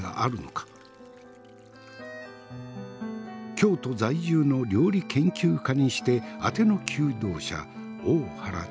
京都在住の料理研究家にしてあての求道者大原千鶴。